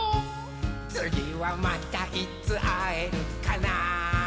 「つぎはまたいつあえるかな」